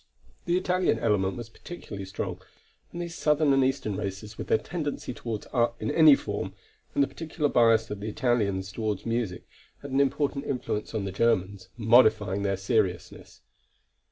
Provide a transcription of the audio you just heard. The Italian element was particularly strong, and these southern and eastern races with their tendency toward art in any form, and the particular bias of the Italians toward music had an important influence on the Germans, modifying their seriousness.